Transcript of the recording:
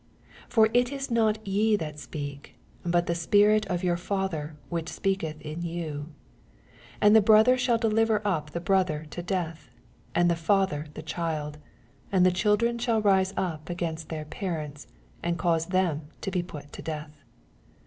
20 For it is not ye that speak, bol the Spirit of your Father which speak* eth in you. 21 Ajid the brother shall deliver up the brother to death, and the fiEithev the child : and the children shall rise up against ihair parents, and causa them to be put to death.